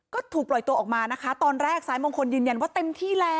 ก็ถูกปล่อยตัวออกมานะคะตอนแรกสายมงคลยืนยันว่าเต็มที่แล้ว